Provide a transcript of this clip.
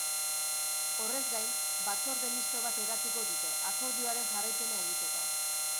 Horrez gain, batzorde misto bat eratuko dute, akordioaren jarraipena egiteko.